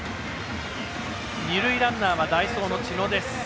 二塁ランナーは代走の知野です。